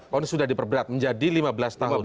vonis sudah diperberat menjadi lima belas tahun